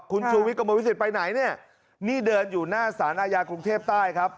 คุณชูวิทย์กระมวลวิสิตไปไหนเนี่ยนี่เดินอยู่หน้าสารอาญากรุงเทพใต้ครับ